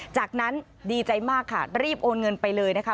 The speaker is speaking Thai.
จากนั้นดีใจมากค่ะรีบโอนเงินไปเลยนะคะ